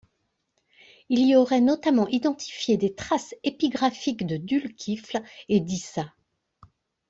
Il y aurait notamment identifié des traces épigraphiques de Dhul Kifl et d'Îsâ.